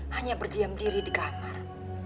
hanya berdiam diri di kamar